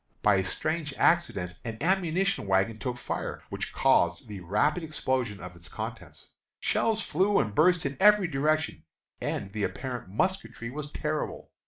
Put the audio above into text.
By a strange accident an ammunition wagon took fire, which caused the rapid explosion of its contents. Shells flew and burst in every direction, and the apparent musketry was terrible.